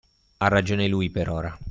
Ha ragione lui, per ora.